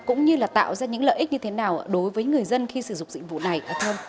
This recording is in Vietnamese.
cũng như là tạo ra những lợi ích như thế nào đối với người dân khi sử dụng dịnh vụ này